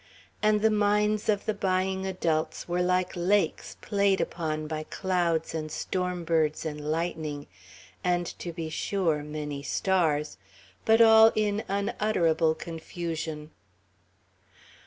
And the minds of the buying adults were like lakes played upon by clouds and storm birds and lightning, and, to be sure, many stars but all in unutterable confusion.